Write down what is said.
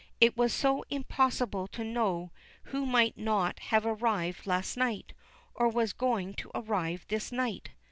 It was so impossible to know who might not have arrived last night, or was going to arrive this night!